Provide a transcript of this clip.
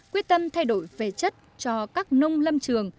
quyết tâm thay đổi về chất cho các nông lâm trường